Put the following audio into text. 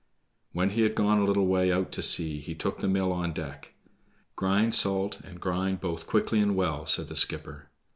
When he had gone a little way out to sea he took the mill on deck. "Grind salt, and grind both quickly and well," said the skipper.